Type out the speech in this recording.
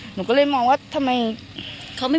หนูก็เลยมองว่าทำไม